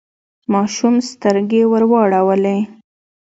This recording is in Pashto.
ماشوم سترګې ورواړولې.